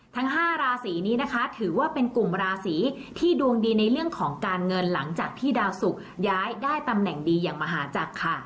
ทั้ง๕ราศีนี้นะคะถือว่าเป็นกลุ่มราศีที่ดวงดีในเรื่องของการเงินหลังจากที่ดาวสุกย้ายได้ตำแหน่งดีอย่างมหาจักรค่ะ